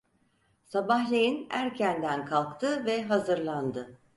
Sabahleyin erkenden kalktı ve hazırlandı.